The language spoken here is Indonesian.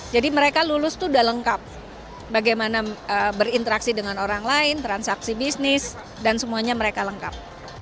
jadi mereka lulus itu sudah lengkap bagaimana berinteraksi dengan orang lain transaksi bisnis dan semuanya mereka lengkap